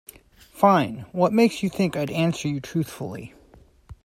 Fine, what makes you think I'd answer you truthfully?